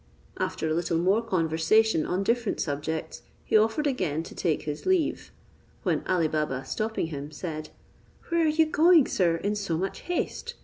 After a little more conversation on different subjects, he offered again to take his leave; when Ali Baba, stopping him, said, "Where are you going, sir, in so much haste?